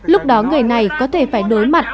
lúc đó người này có thể phải đối mặt